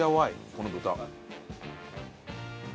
この豚。